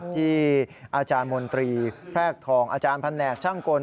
ที่อาจารย์มนตรีแพรกทองอาจารย์แผนกช่างกล